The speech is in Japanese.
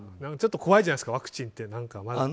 ちょっと怖いじゃないですかワクチンって。